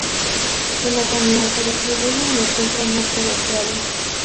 En Oceanía, se distribuye en el centro-norte de Australia.